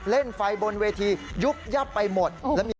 เล่นไฟบนเวทียุบยับไปหมด